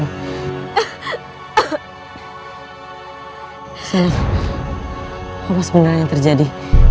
di sana apa sebenarnya yang terjadi